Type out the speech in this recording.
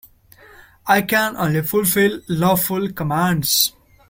I can only fulfil lawful commands.